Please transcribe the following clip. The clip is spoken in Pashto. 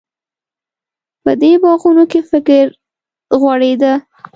په دې باغونو کې فکر غوړېده.